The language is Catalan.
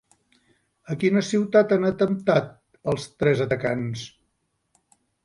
A quina ciutat han atemptat els tres atacants?